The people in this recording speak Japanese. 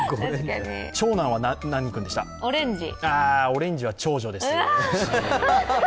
オレンジは長女です。